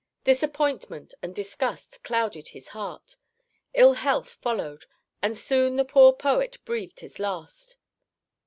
Disappointment and disgust clouded his heart; ill health followed, and soon the poor poet breathed his last.